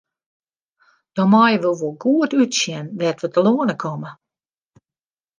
Dan meie we wol goed útsjen wêr't we telâne komme.